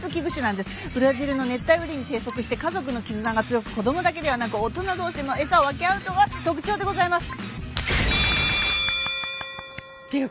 ブラジルの熱帯雨林に生息して家族の絆が強く子供だけではなく大人同士で餌を分け合うのが特徴でございます。